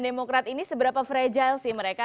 demokrat ini seberapa fragile sih mereka